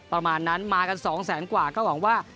ประมาณนั้นมากัน๒แสนกว่าก็หวังว่า